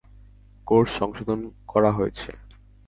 Course সংশোধন করা হয়েছে।